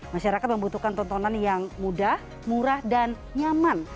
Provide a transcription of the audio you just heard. masyarakat membutuhkan tontonan yang mudah murah dan nyaman